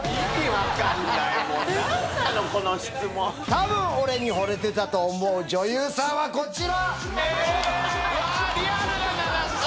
たぶん俺にほれてたと思う女優さんはこちら。